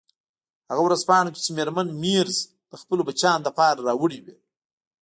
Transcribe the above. هغه ورځپاڼو کې چې میرمن مېرز د خپلو بچیانو لپاره راوړي وې.